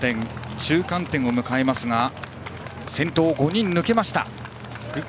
中間点を迎えますが先頭５人抜けました。